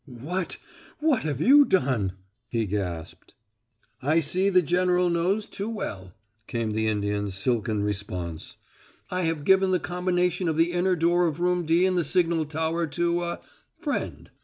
"What what have you done?" he gasped. "I see the general knows too well," came the Indian's silken response. "I have given the combination of the inner door of Room D in the signal tower to a friend.